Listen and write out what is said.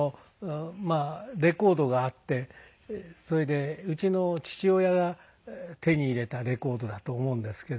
まあレコードがあってそれでうちの父親が手に入れたレコードだと思うんですけども。